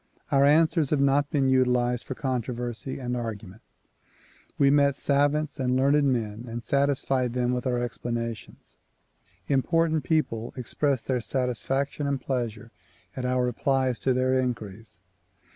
Our answers have not been utilized for controversy and argument. We met savants and learned men and satisfied them with our explanations. Important people expressed their satisfaction and pleasure at our replies to their inquiries.